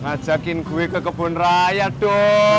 ngajakin gue ke kebun raya dong